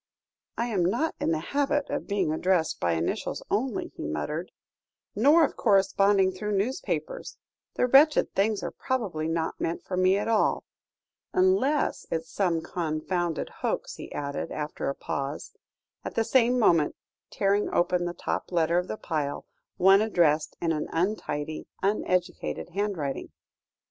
"I am not in the habit of being addressed by initials only," he muttered, "nor of corresponding through newspapers; the wretched things are probably not meant for me at all unless it's some confounded hoax," he added, after a pause, at the same moment tearing open the top letter of the pile, one addressed in an untidy, uneducated handwriting.